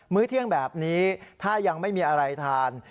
ื้อเที่ยงแบบนี้ถ้ายังไม่มีอะไรทาน